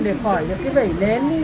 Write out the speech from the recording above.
nó uống cho nó tiêu độc đi